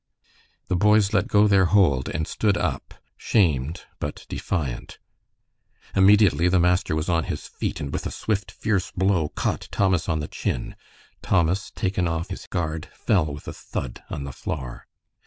The boys let go their hold and stood up, shamed but defiant. Immediately the master was on his feet, and with a swift, fierce blow, caught Thomas on the chin. Thomas, taken off his guard, fell with a thud on the floor.